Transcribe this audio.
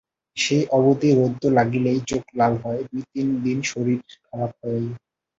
সেই অবধি রৌদ্র লাগিলেই চোখ লাল হয়, দুই-তিন দিন শরীর খারাপ যায়।